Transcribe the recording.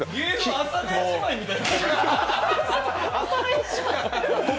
阿佐ヶ谷姉妹みたい。